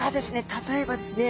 例えばですね